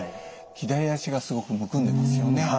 左足がすごくむくんでますよね。